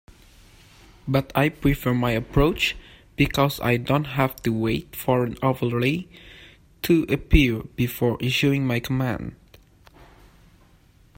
But I prefer my approach because I don't have to wait for an overlay to appear before issuing my command.